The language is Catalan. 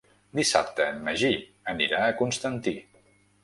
Dissabte en Magí anirà a Constantí.